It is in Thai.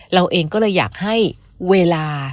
เราเองก็เลยอยากให้เวลา